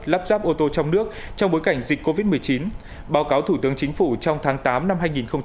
lắp ráp ô tô trong nước trong bối cảnh dịch covid một mươi chín báo cáo thủ tướng chính phủ trong tháng tám năm hai nghìn hai mươi